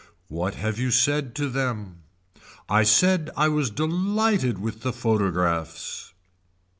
What have you said to them. I said I was delighted with the photographs.